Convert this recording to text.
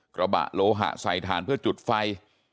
กระบะโลหะใส่ถ่านเพื่อจุดไฟ